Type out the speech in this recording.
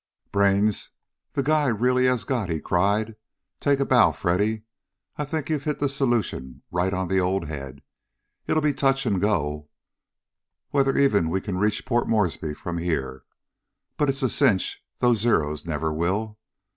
"Brains the guy really has got!" he cried. "Take a bow, Freddy. I think you've hit the solution right on the old head. It'll be touch and go whether even we can reach Port Moresby from here. But it's a cinch those Zeros never will.